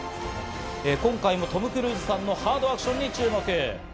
今回もトム・クルーズさんのハードアクションに注目。